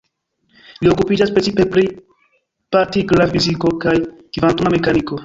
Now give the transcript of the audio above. Li okupiĝas precipe pri partikla fiziko kaj kvantuma mekaniko.